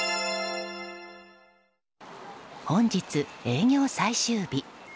本日、営業最終日。